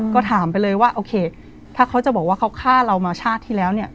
ก็ถามไปเลยว่าโอเคถ้าเขาจะบอกว่าเขาฆ่าเรามาชาติที่แล้วเนี่ย